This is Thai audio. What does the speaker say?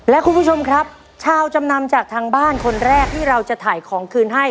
และคุณผู้ชมครับชาวจำนำจากทางบ้านคนแรกที่เราจะถ่ายของคืนให้